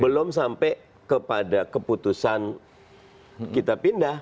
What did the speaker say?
belum sampai kepada keputusan kita pindah